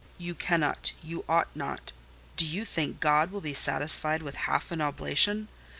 "You cannot—you ought not. Do you think God will be satisfied with half an oblation?